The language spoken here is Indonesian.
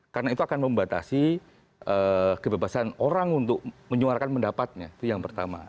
karena itu akan membatasi kebebasan orang untuk menyuarkan pendapatnya itu yang pertama